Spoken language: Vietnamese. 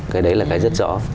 cái đấy là cái rất rõ